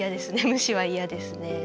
無視は嫌ですね。